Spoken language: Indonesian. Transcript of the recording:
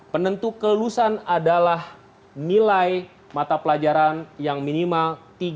penentu kelulusan adalah nilai mata pelajaran yang minimal tiga